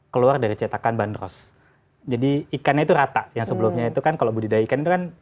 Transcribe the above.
keluar dari cetakan bandros jadi ikannya itu rata yang sebelumnya itu kan kalau budidaya ikan itu kan